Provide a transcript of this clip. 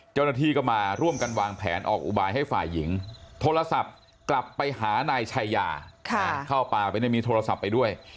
เจ้าหน้าที่ก็มาร่วมกันวางแผนออกอุบายให้ฝ่ายหญิงโทรศัพท์กลับไปหานายชายาเข้าป่าไปมีโทรศัพท์ไปด้วย